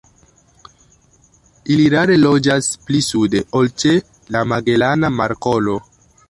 Ili rare loĝas pli sude ol ĉe la Magelana Markolo.